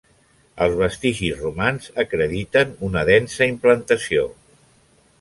Els vestigis romans acrediten una densa implantació.